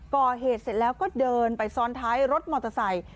ก่อเหตุเสร็จแล้วก็เดินไปซ้อนท้ายรถมอเตอร์ไซค์